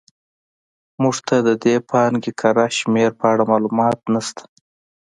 موږ ته د دې پانګې کره شمېر په اړه معلومات نه شته.